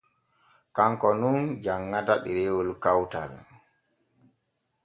Kanko nun janŋata ɗerewol kawtal.